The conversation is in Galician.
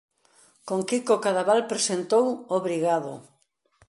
Con Quico Cadaval presentou "Obrigado!